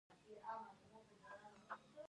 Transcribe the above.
د ویښتو د سپینیدو مخنیوي لپاره باید څه شی وکاروم؟